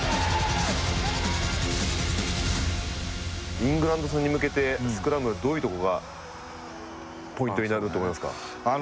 イングランド戦に向けてスクラム、どういうところがポイントになると思いますか？